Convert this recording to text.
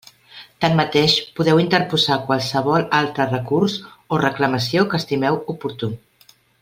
Tanmateix, podeu interposar qualsevol altre recurs o reclamació que estimeu oportú.